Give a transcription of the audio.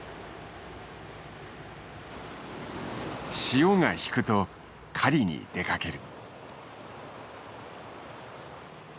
潮が引くと狩りに出かける。